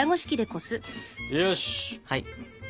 よし！